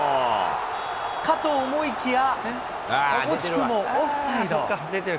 かと思いきや、惜しくもオフサイド。